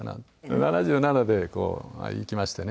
７７で逝きましてね。